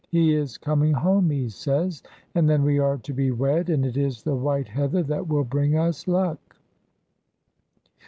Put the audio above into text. He is coming home, he says, and then we are to be wed, and it is the white heather that will bring us luck.'